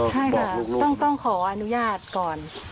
ใช่ค่ะต้องขออนุญาตก่อน